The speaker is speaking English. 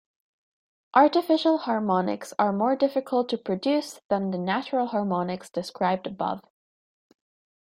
Artificial harmonics are more difficult to produce than the natural harmonics described above.